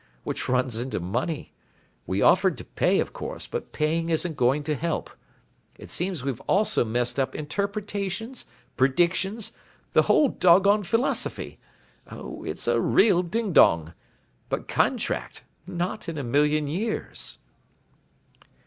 Which runs into money. We offered to pay, of course, but paying isn't going to help. It seems we've also messed up interpretations, predictions, the whole doggone philosophy. Oh it's a real ding dong. But contract? Not in a million years."